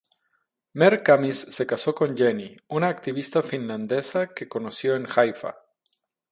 Mer-Khamis se casó con Jenny, una activista finlandesa que conoció en Haifa.